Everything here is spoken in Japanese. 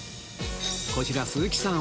こちら鈴木さん